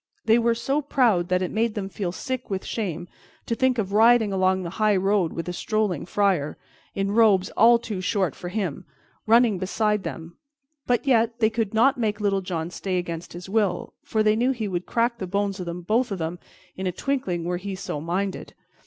They were so proud that it made them feel sick with shame to think of riding along the highroad with a strolling friar, in robes all too short for him, running beside them, but yet they could not make Little John stay against his will, for they knew he could crack the bones of both of them in a twinkling were he so minded.